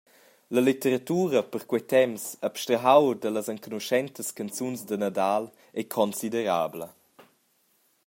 La litteratura per quei temps, abstrahau dallas enconuschentas canzuns da Nadal, ei considerabla.